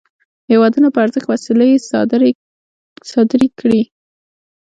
هیوادونو په ارزښت وسلې صادري کړې.